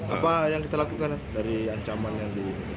apa yang kita lakukan dari ancaman yang di